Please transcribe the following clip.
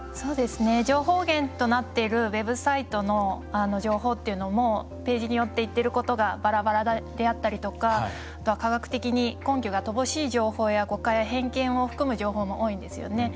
情報源となっているウェブサイトの情報っていうのもページによって言ってることがバラバラであったりとか科学的に根拠が乏しい情報や誤解偏見を含む情報も多いんですよね。